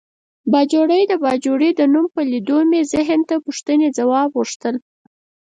باجوړی د باجوړي د نوم په لیدو مې ذهن ته پوښتنې ځواب غوښتل.